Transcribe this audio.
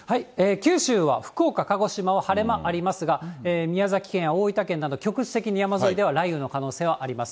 九州は福岡、鹿児島は晴れ間ありますが、宮崎県や大分県など、局地的に山沿いでは雷雨の可能性があります。